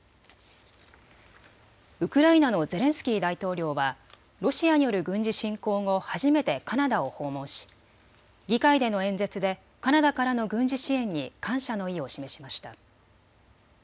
ウクライナのゼレンスキー大統領はロシアによる軍事侵攻後、初めてカナダを訪問し議会での演説でカナダからの軍事支援に感謝の意を示しました。